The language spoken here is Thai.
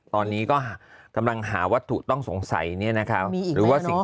ตอนนี้ก็กำลังหาวัตถุต้องสงสัยเนี่ยนะคะหรือว่าสิ่ง